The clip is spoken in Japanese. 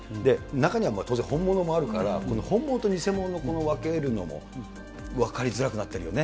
中には当然本物もあるから、本物と偽物の分けるのも分かりづらくなってるよね。